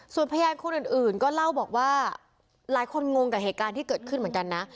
ส่วนพยานคนอื่นก็เล่าบอกว่าหลายคนงงกับเหตุการณ์ที่เกิดขึ้นเหมือนกันนะ